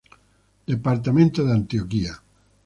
Departamento de Antioquia.